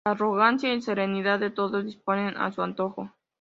La arrogancia y serenidad, de todo disponen a su antojo.